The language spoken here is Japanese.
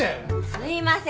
すいません。